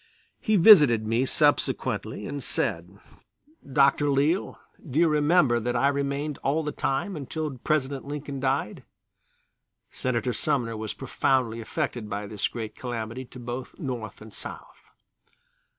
He visited me subsequently and said: "Dr. Leale, do you remember that I remained all the time until President Lincoln died?" Senator Sumner was profoundly affected by this great calamity to both North and South.